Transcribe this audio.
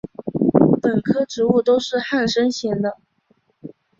本科植物都是旱生型的。